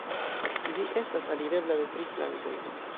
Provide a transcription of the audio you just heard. Ĝi estas alirebla de tri flankoj.